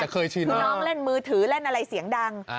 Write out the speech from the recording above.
เคยชินคือน้องเล่นมือถือเล่นอะไรเสียงดัง